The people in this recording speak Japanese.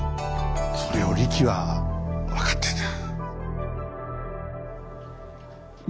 それをリキは分かってた。